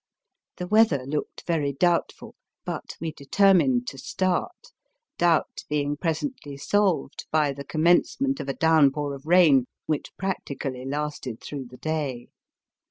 The weather looked very doubtful, but we determined to start, doubt being presently solved by the commencement of a downpour of rain which practically lasted through the day.